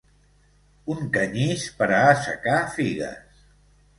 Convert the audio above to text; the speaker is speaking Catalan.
Un canyís per a assecar figues.